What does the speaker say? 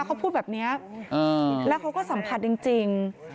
เขาพูดแบบนี้แล้วเขาก็สัมผัสจริง